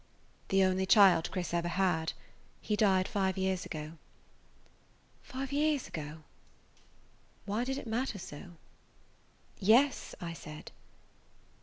"The only child Chris ever had. He died five years ago." "Five years ago?" Why did it matter so? "Yes," I said.